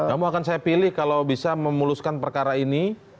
kamu akan saya pilih kalau bisa memuluskan perkara ini